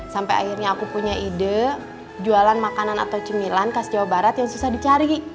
sampai akhirnya aku punya ide jualan makanan atau cemilan khas jawa barat yang susah dicari